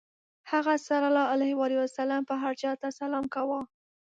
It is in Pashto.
هغه ﷺ به هر چا ته سلام کاوه.